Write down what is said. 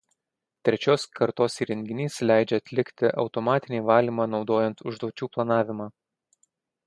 Trečios kartos įrenginys leidžia atlikti automatinį valymą naudojant užduočių planavimą.